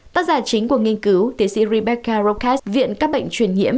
tác giả chính của nghiên cứu tiến sĩ rebecca rokas viện các bệnh truyền hiểm